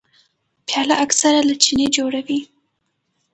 پیاله اکثره له چیني جوړه وي.